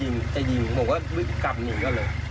แล้วก็จะยิงผมก็กลับหนีกันเลย